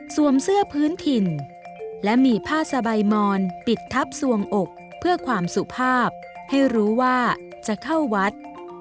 เสื้อพื้นถิ่นและมีผ้าสบายมอนปิดทับสวงอกเพื่อความสุภาพให้รู้ว่าจะเข้าวัด